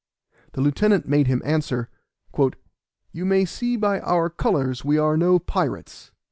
The lieutenant made him answer, "You may see by our colors we are no pirates."